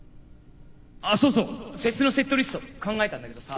あっそうそうフェスのセットリスト考えたんだけどさ。